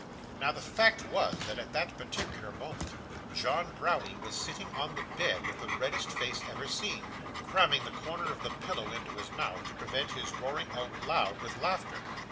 Now, the fact was, that at that particular moment, John Browdie was sitting on the bed with the reddest face ever seen, cramming the corner of the pillow into his mouth, to prevent his roaring out loud with laughter.